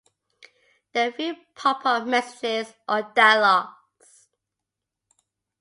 There are few pop up messages or dialogs.